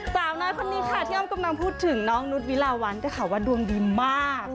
สาวน้อยคนนี้ค่ะที่อ้อมกำลังพูดถึงน้องนุษย์วิลาวันด้วยค่ะว่าดวงดีมาก